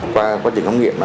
qua quá trình công nghiệp